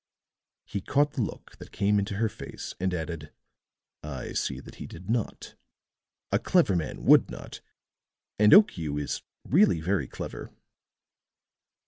He caught the look that came into her face, and added: "I see that he did not. A clever man would not, and Okiu is really very clever."